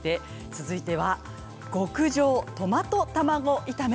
続いては極上トマト卵炒め。